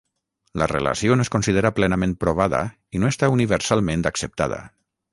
La relació no es considera plenament provada i no està universalment acceptada.